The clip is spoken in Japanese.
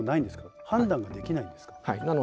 判断ができないんですか？